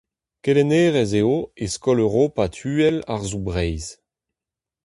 Kelennerez eo e Skol europat uhel Arzoù Breizh.